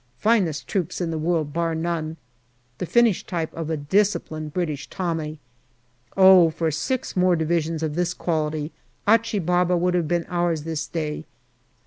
Finest troops in the world, bar none. The finished type of a disciplined British Tommy. Oh ! for six more Divisions of this quality : Achi Baba would have been ours this day.